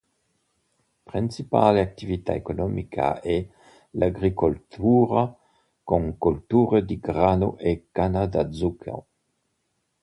Principale attività economica è l'agricoltura, con colture di grano e canna da zucchero.